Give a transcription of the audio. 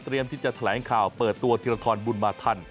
เตรียมที่จะแถลงข่าวเปิดตัวทีละทอนบุญมาทัน